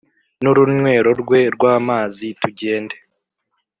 n urunywero rwe rw amazi tugende